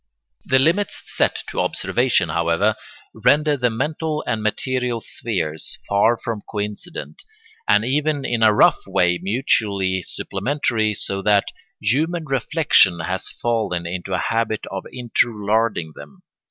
] The limits set to observation, however, render the mental and material spheres far from coincident, and even in a rough way mutually supplementary, so that human reflection has fallen into a habit of interlarding them.